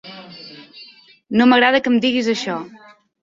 No m'agrada que em diguis això.